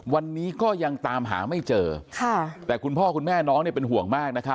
วันนี้ก็ยังตามหาไม่เจอแต่คุณพ่อคุณแม่น้องเป็นห่วงมาก